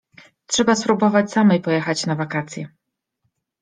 „Trzeba spróbować samej pojechać na wakacje.